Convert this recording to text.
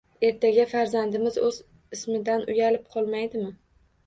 Ertaga farzandimiz o‘z ismidan uyalib qolmaydimi?